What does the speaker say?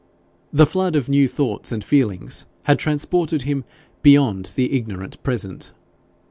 The flood of new thoughts and feelings had transported him beyond the ignorant present.